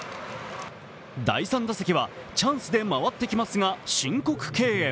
第３打席はチャンスで回ってきますが、申告敬遠。